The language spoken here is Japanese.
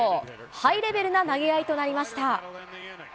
ハイレベルな投げ合いとなりました。